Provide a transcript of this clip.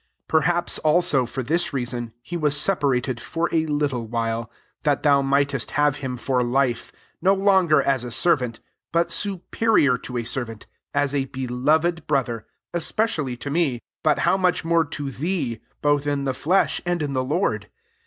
15 Perhaps also for this rea 9on he was separated for a little while that thou mightest have him, forjife ;* 16 no longer as a servant, but superior to a ser vant, da a beloved brother: es pecially to me ; but how much more to thee, both in the flesh and in the Lord